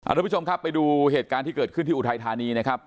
ทุกผู้ชมครับไปดูเหตุการณ์ที่เกิดขึ้นที่อุทัยธานีนะครับ